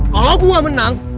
kalau gue menang